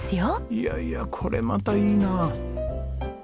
いやいやこれまたいいな。